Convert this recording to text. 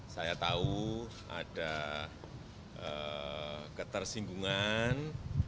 saya tahu ada ketersinggungan